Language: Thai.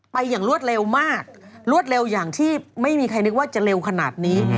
อย่างรวดเร็วมากรวดเร็วอย่างที่ไม่มีใครนึกว่าจะเร็วขนาดนี้